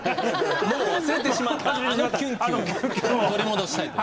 もう忘れてしまったあのキュンキュンを取り戻したいと。